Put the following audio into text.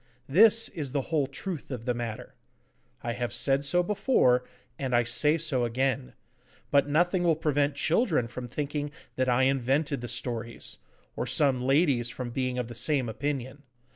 This is the whole truth of the matter. I have said so before, and I say so again. But nothing will prevent children from thinking that I invented the stories, or some ladies from being of the same opinion.